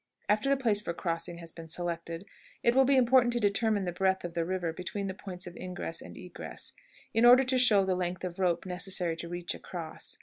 After the place for crossing has been selected, it will be important to determine the breadth of the river between the points of ingress and egress, in order to show the length of rope necessary to reach across.